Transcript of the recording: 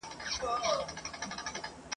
مېړه په دې مانا د زوی پلار نه ګڼل کېږي